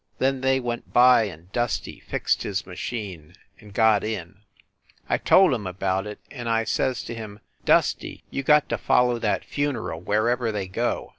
Then they went by and Dusty fixed his machine and got in. I told him about it, and I says to him, "Dusty, you got to follow that funeral wherever they go.